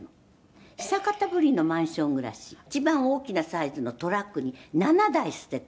「久方ぶりのマンション暮らし」「一番大きなサイズのトラックに７台捨てた」